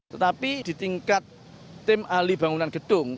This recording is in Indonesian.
tetapi di tingkat tim ahli bangunan gedung